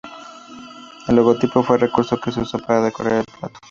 El logotipo fue un recurso que se usó para decorar el plató.